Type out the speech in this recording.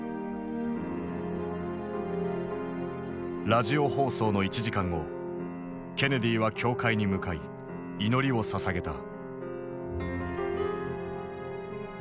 ラジオ放送の１時間後ケネディは教会に向かい祈りを捧げた。